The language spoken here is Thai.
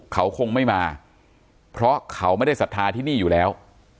เขาคงไม่มาเพราะเขาไม่ได้ศรัทธาที่นี่อยู่แล้ว